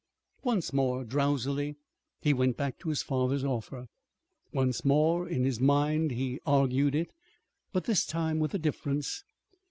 Once more, drowsily, he went back to his father's offer. Once more, in his mind, he argued it but this time with a difference.